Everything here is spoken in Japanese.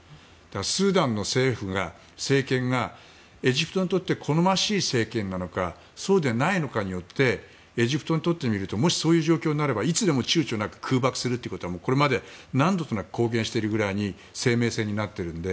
スーダンの政権がエジプトにとって好ましい政権か、そうでないのかによってエジプトにとってみるといつ、そういう状況になっても空爆するということはこれまで何度となく公言しているくらい生命線になっているので。